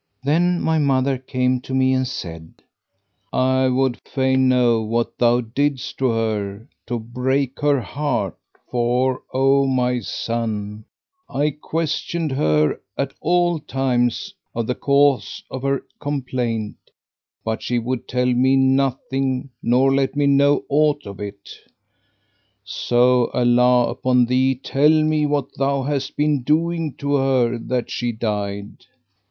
Then my mother came to me and said, "I would fain know what thou didst to her, to break her heart[FN#518] for, O my son, I questioned her at all times of the cause of her complaint, but she would tell me nothing nor let me know aught of it. So Allah upon thee, tell me what thou hast been doing to her that she died."